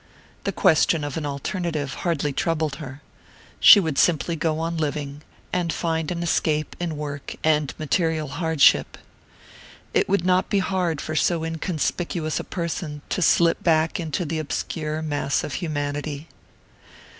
The question of an alternative hardly troubled her. She would simply go on living, and find an escape in work and material hardship. It would not be hard for so inconspicuous a person to slip back into the obscure mass of humanity.